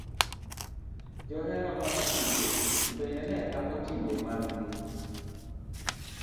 Johera mag tuke bende nepako timbe mag gi.